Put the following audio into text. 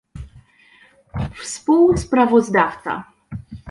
współsprawozdawca